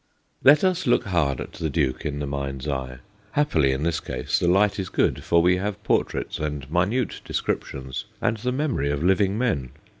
Let us first look hard at the Duke in the mind's eye. Happily in this case the light is good, for we have portraits and minute descriptions, and the memory of living men.